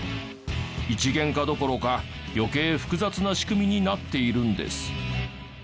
一元化どころか余計複雑な仕組みになっているんです。